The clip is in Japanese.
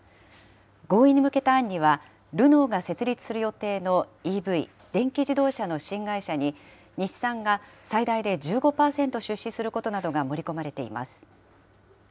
合意に向けた案には、ルノーが設立する予定のＥＶ・電気自動車の新会社に、日産が最大で１５％出資することなどが盛り込まれています。